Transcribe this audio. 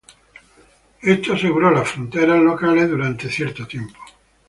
Esto aseguró las fronteras locales durante un tiempo.